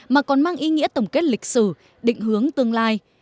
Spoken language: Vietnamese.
mà còn mang ý nghĩa tổng kết lịch sử định hướng tương lai